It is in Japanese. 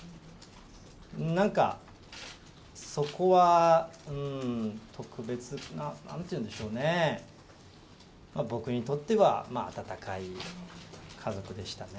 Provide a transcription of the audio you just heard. なんかそこは特別な、なんていうんでしょうね、僕にとっては温かい家族でしたね。